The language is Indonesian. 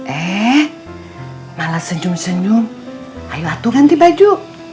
eh malah senyum senyum ayo atuh ganti baju